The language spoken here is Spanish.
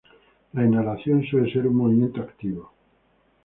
La inhalación suele ser un movimiento activo.